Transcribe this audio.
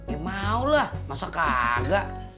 eh maulah masa kagak